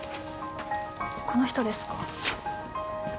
この人ですか？